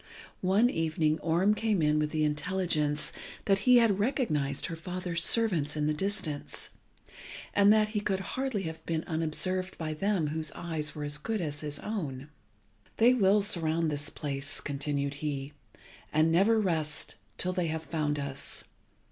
One evening Orm came in with the intelligence that he had recognised her father's servants in the distance, and that he could hardly have been unobserved by them whose eyes were as good as his own. "They will surround this place," continued he, "and never rest till they have found us.